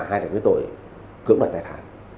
hai là cái tội cưỡng đoàn tài thản